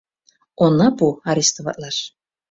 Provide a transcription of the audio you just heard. — Она пу арестоватлаш!